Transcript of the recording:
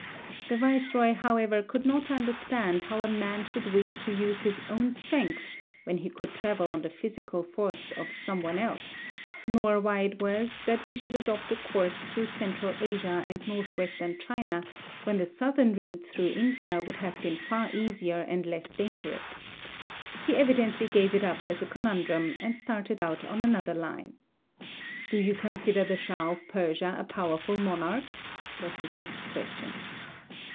The viceroy, however, could not understand how a man should wish to use his own strength when he could travel on the physical force of some one else; nor why it was that we should adopt a course through central Asia and northwestern China when the southern route through India would have been far easier and less 204 Across Asia on a Bicycle dangerous. He evidently gave it up as a conundrum, and started out on another line. "Do you consider the Shah of Persia a powerful monarch?" was his next question.